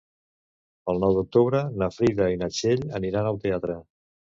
El nou d'octubre na Frida i na Txell aniran al teatre.